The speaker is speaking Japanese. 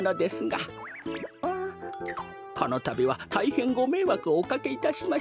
このたびはたいへんごめいわくをおかけいたしました。